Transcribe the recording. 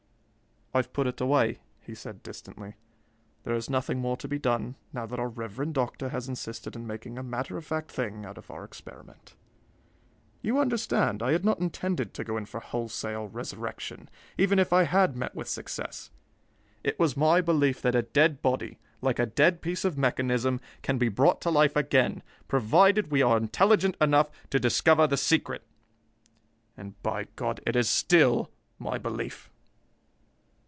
"I've put it away," he said distantly. "There is nothing more to be done, now that our reverend doctor has insisted in making a matter of fact thing out of our experiment. You understand, I had not intended to go in for wholesale resurrection, even if I had met with success. It was my belief that a dead body, like a dead piece of mechanism, can be brought to life again, provided we are intelligent enough to discover the secret. And by God, it is still my belief!"